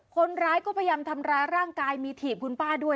คนร้ายก็พยายามทำร้ายร่างกายมีถีบคุณป้าด้วย